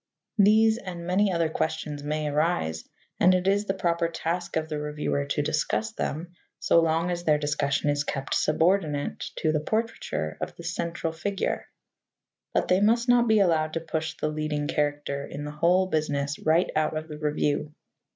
These and many other questions may arise, and it is the proper task of the reviewer to discuss them, so long as their discussion is kept subordinate to the portraiture of the central figure. But they must not be allowed to push the leading character in the whole business right out of the review.